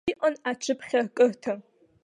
Иҟан аҽыԥхьакырҭа.